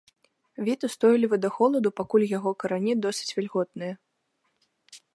Від устойлівы да холаду, пакуль яго карані досыць вільготныя.